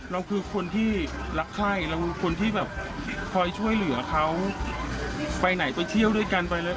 เราคือคนที่รักไข้เราคือคนที่แบบคอยช่วยเหลือเขาไปไหนไปเที่ยวด้วยกันไปแล้ว